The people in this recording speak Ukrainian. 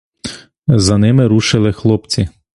За ними рушили хлопці.